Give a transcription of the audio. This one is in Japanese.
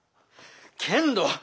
けんど。